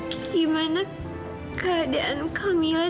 gimana keadaan kamilah